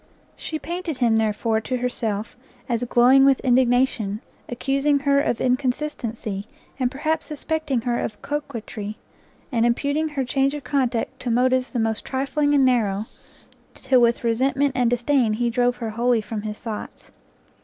She painted him, therefore, to herself, as glowing with indignation, accusing her of inconsistency, and perhaps suspecting her of coquetry, and imputing her change of conduct to motives the most trifling and narrow, till with resentment and disdain, he drove her wholly from his thoughts.